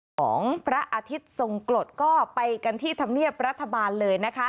ของพระอาทิตย์ทรงกรดก็ไปกันที่ธรรมเนียบรัฐบาลเลยนะคะ